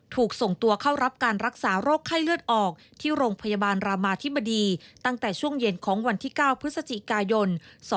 ถูกส่งตัวเข้ารับการรักษาโรคไข้เลือดออกที่โรงพยาบาลรามาธิบดีตั้งแต่ช่วงเย็นของวันที่๙พฤศจิกายน๒๕๖